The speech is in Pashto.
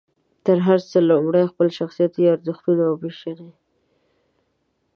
تر هر څه لومړی خپل شخصي ارزښتونه وپېژنئ.